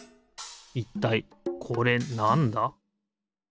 いったいこれなんだ？